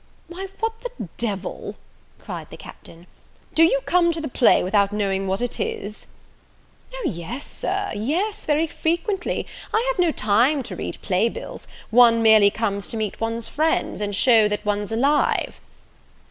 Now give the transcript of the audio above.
"Why, what the D l," cried the Captain, "do you come to the play without knowing what it is?" "O yes, Sir, yes, very frequently: I have no time to read play bills; one merely comes to meet one's friends, and shew that one's alive."